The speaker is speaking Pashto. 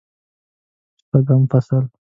شپږم فصل